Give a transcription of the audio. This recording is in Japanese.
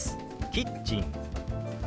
「キッチン」。